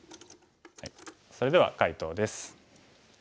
それでは解答です。